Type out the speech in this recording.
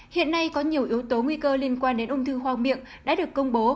hiện nay có nhiều yếu tố nguy cơ liên quan đến ung thư hoang miệng đã được công bố